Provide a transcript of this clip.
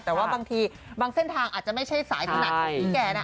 แต่ว่าบางทีบางเส้นทางอาจจะไม่ใช่สายถนัดของพี่แก่นะ